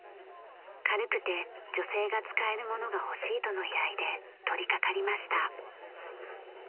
軽くて女性が使えるものが欲しいとの依頼で取りかかりました。